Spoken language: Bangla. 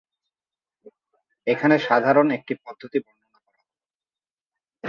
এখানে সাধারণ একটি পদ্ধতি বর্ণনা করা হলো।